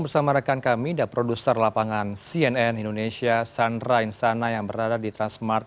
bersama rekan kami dan produser lapangan cnn indonesia sandra insana yang berada di transmart